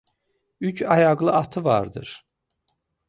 Üç ayaqlı atı vardır.